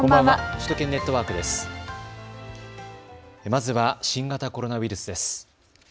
まずは新型コロナウイルスです。